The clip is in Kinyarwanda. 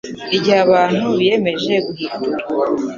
Igihe abantu biyemeje guhindura